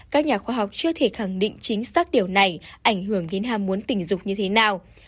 các nhà khoa học chưa thể khẳng định chính xác điều này ảnh hưởng đến ham muốn tình dục như thế nào